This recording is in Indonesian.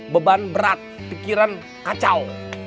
beban berat pikiran kacau